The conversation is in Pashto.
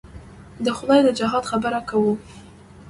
د خدای د جهاد خبره کوو.